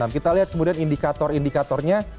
kita lihat kemudian indikator indikatornya